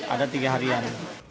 ada tiga harian